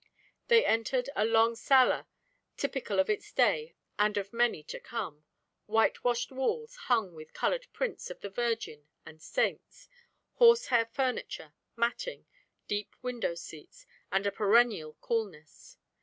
They entered a long sala typical of its day and of many to come; whitewashed walls hung with colored prints of the Virgin and saints; horsehair furniture, matting, deep window seats; and a perennial coolness.